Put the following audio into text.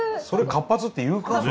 それ活発っていうか？